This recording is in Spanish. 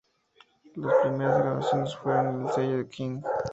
Las primeras grabaciones fueron con el sello King.